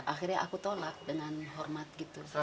akhirnya aku tolak dengan hormat gitu